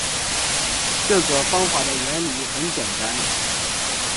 这个方法的原理很简单